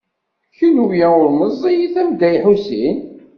Kenwi ur meẓẓiyit am Dda Lḥusin.